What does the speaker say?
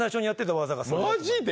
マジで？